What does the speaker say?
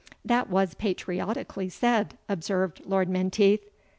"That was patriotically said," observed Lord Menteith.